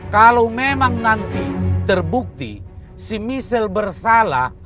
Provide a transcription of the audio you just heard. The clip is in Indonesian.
kalau memang nanti terbukti si misil bersalah